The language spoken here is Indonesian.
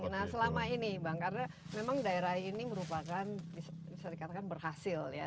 nah selama ini bang karena memang daerah ini merupakan bisa dikatakan berhasil ya